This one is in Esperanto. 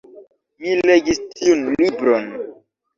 Mi legis tiun libron.